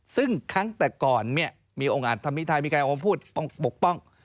ซึ่งครั้งแต่ก่อนเนี่ยมีองค์อาจธรรมพิไทยมีการออกมาพูดปกป้อง